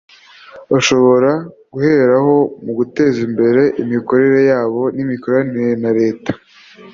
bashobora guheraho mu guteza imbere imikorere yabo n'imikoranire na leta